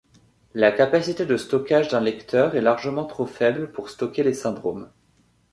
La capacité de stockage d'un lecteur est largement trop faible pour stocker les syndromes.